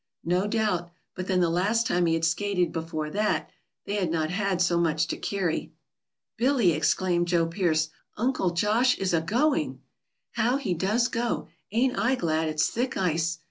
No doubt; but then the last time he had skated before that, they had not had so much to carry. "Billy," exclaimed Joe Pearce, "Uncle Josh is agoing!" "How he does go! Ain't I glad it's thick ice!"